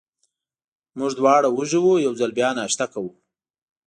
موږ دواړه وږي وو، یو ځل بیا ناشته کوو.